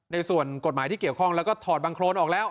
ในส่วนกฎหมายที่เกี่ยวข้องแล้วก็ถอดบังโครนออกแล้ว